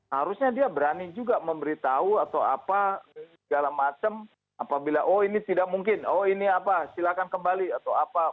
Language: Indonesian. harusnya dia berani juga memberitahu atau apa segala macam apabila oh ini tidak mungkin oh ini apa silakan kembali atau apa